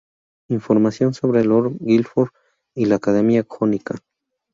Información sobre Lord Guilford y la Academia Jónica